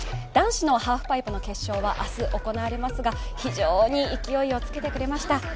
男子のハーフパイプの決勝は明日行われますが、非常に勢いをつけてくれました。